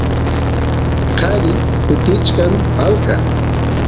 qari kutichkan palqa